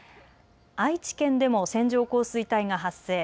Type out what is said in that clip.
愛知県でも線状降水帯が発生。